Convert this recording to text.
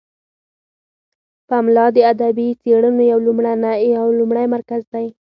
پملا د ادبي څیړنو یو لومړی مرکز دی.